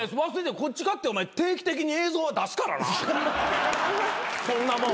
こっちかって定期的に映像は出すからなそんなもん。